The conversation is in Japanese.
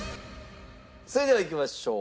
それではいきましょう。